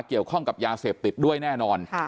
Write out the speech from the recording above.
เกี่ยวข้องกับยาเสพติดด้วยแน่นอน